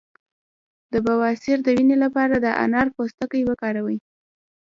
د بواسیر د وینې لپاره د انار پوستکی وکاروئ